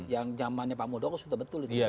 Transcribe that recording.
yang zamannya pak muldoko sudah betul itu